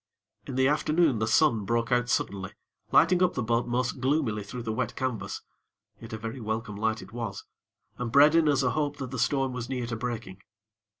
In the afternoon, the sun broke out suddenly, lighting up the boat most gloomily through the wet canvas; yet a very welcome light it was, and bred in us a hope that the storm was near to breaking.